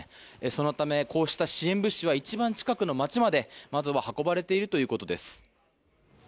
そのため、こうした支援物資は一番近くの街までまずは運ばれているということです。